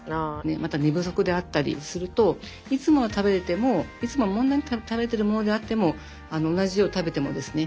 また寝不足であったりするといつもは食べれてもいつもは問題なく食べれてるものであっても同じよう食べてもですね